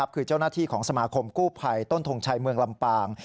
คือเจ้าหน้าที่ของสมาคมกู้ภัยต้นทงชัยเมืองลำปาง